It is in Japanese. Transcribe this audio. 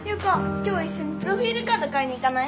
今日いっしょにプロフィールカード買いに行かない？